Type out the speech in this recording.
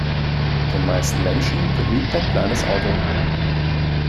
Den meisten Menschen genügt ein kleines Auto.